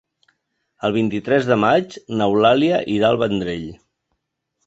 El vint-i-tres de maig n'Eulàlia irà al Vendrell.